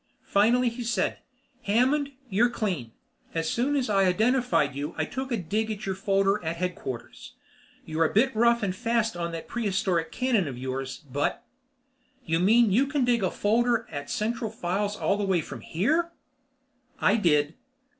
Finally he said, "Hammond, you're clean. As soon as I identified you I took a dig of your folder at headquarters. You're a bit rough and fast on that prehistoric cannon of yours, but " "You mean you can dig a folder at central files all the way from here?" "I did."